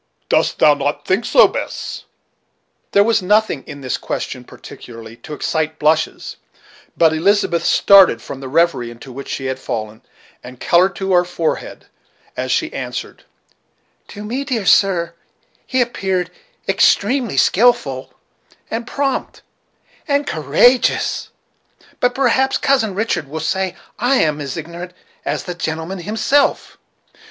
Dost thou not think so, Bess?" There was nothing in this question particularly to excite blushes, but Elizabeth started from the revery into which she had fallen, and colored to her forehead as she answered: "To me, dear sir, he appeared extremely skilful, and prompt, and courageous; but perhaps Cousin Richard will say I am as ignorant as the gentleman himself."